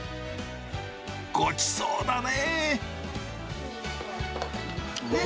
ごちそうだね。